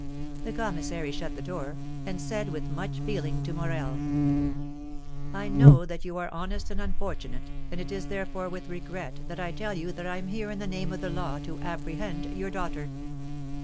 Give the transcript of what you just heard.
The commissary shut the door, and said with much feeling to Morel: "I know that you are honest and unfortunate, and it is, therefore, with regret that I tell you that I am here in the name of the law to apprehend your daughter."